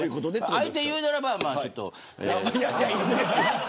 あえて言うならば、ちょっと。